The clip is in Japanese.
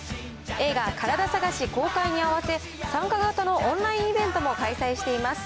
映画、カラダ探し公開に合わせ、参加型のオンラインイベントも開催しています。